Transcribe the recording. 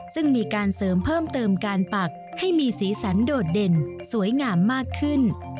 ซึ่งมีการเสริมเพิ่มเติมการปักให้มีสีสันโดดเด่นสวยงามมากขึ้น